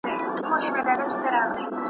زه به بختور یم .